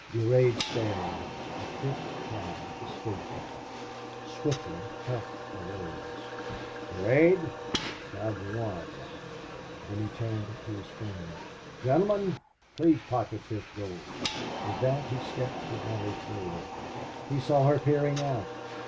Durade stared. A thick cry escaped him. Swiftly Hough rose. "Durade, I have won." Then he turned to his friends. "Gentlemen, please pocket this gold." With that he stepped to Allie's door. He saw her peering out.